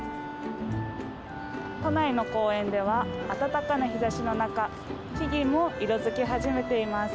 都内の公園では、暖かな日ざしの中、木々も色づき始めています。